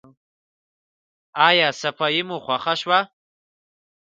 ایا صفايي مو خوښه شوه؟